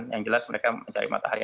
yang jelas mereka mencari matahari